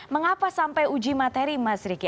mengapa sampai uji materi mas riki